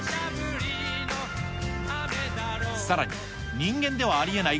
さらに、人間ではありえない